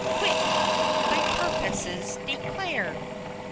Quick! Thy purposes declare!